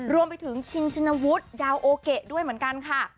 รวมไปถึงชินชินวุฒิดาวโอเกะด้วยเหมือนกันค่ะ